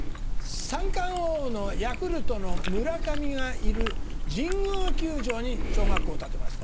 三冠王のヤクルトの村上がいる神宮球場に小学校を建てました。